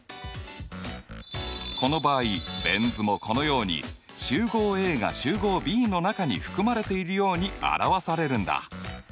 この場合ベン図もこのように集合Ａが集合Ｂの中に含まれているように表されるんだ。